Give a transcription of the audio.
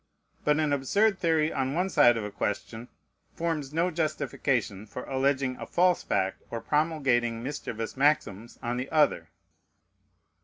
But an absurd theory on one side of a question forms no justification for alleging a false fact or promulgating mischievous maxims on the other.